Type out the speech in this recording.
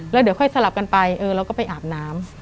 แล้วเดี๋ยวค่อยสลับกันไปเราก็ไปอาบน้ำ